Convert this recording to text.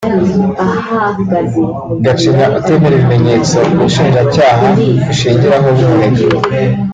Gacinya utemera ibimenyetso ubushinjacyaha bushingiraho bumurega